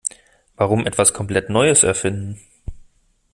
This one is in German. Warum etwas komplett Neues erfinden?